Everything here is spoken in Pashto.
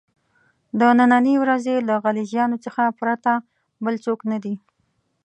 د نني ورځې له غلجیانو څخه پرته بل څوک نه دي.